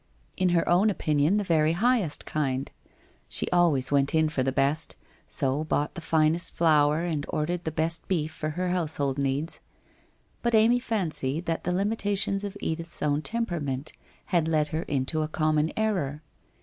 In her own opinion the very highest kind; she always went in for the best, so bought the finest flour and ordered the best beef for her household needs. But Amy fancied that the limitations of Edith's own temperament had led her into a common error.